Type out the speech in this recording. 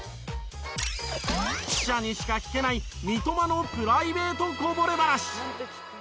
記者にしか聞けない三笘のプライベートこぼれ話。